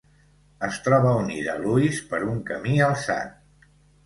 Es troba unida a Lewis per un camí alçat.